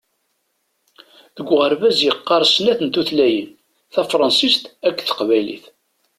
Deg uɣerbaz yeqqaṛ snat n tutlayin: Tafransist akked taqbaylit.